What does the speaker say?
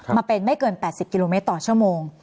มาเป็นไม่เกิน๘๐กิโลเมตรต่อชั่วโมง